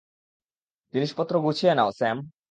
জিনিসপত্র গুছিয়ে নাও, স্যাম।